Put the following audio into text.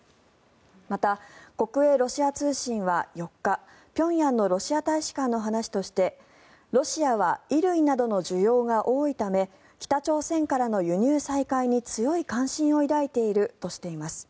また、国営ロシア通信は４日平壌のロシア大使館の話としてロシアは衣類などの需要が多いため北朝鮮からの輸入再開に強い関心を抱いているとしています。